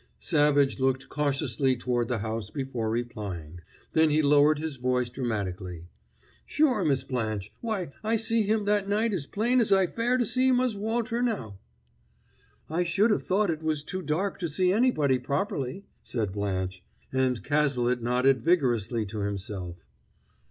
Savage looked cautiously toward the house before replying; then he lowered his voice dramatically. "Sure, Miss Blanche. Why, I see him that night as plain as I fare to see Mus' Walter now!" "I should have thought it was too dark to see anybody properly," said Blanche, and Cazalet nodded vigorously to himself.